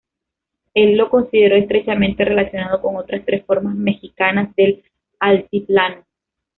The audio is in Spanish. Él lo consideró estrechamente relacionado con otras tres formas mexicanas del altiplano.